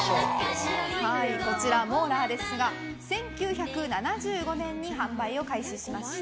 こちら、モーラーですが１９７５年に販売を開始しました。